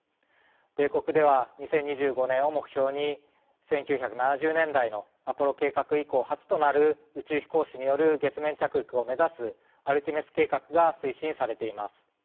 米国では２０２５年を目標に１９７０年代のアポロ計画以降初となる宇宙飛行士による月面着陸を目指すアルテミス計画が推進されています。